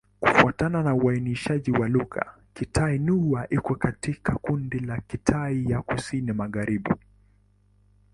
Kufuatana na uainishaji wa lugha, Kitai-Nüa iko katika kundi la Kitai ya Kusini-Magharibi.